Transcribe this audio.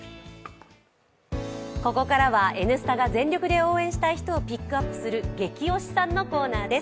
ここからは「Ｎスタ」が全力で応援したい人をピックアップするゲキ推しさんのコーナーです。